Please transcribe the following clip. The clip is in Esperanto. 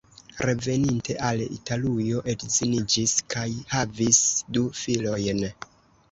Reveninte al Italujo edziniĝis kaj havis du filojn.